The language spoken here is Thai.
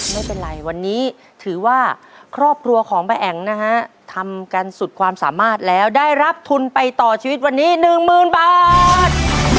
ไม่เป็นไรวันนี้ถือว่าครอบครัวของป้าแอ๋งนะฮะทำกันสุดความสามารถแล้วได้รับทุนไปต่อชีวิตวันนี้หนึ่งหมื่นบาท